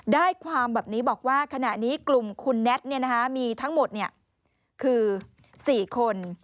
ได้ความแบบนี้บอกว่าขณะนี้กลุ่มคุณแน็ตมีทั้งหมดคือ๔คน